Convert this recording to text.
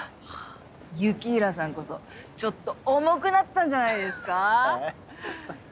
雪平さんこそちょっと重くなったんじゃないですか？